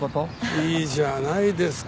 いいじゃないですか。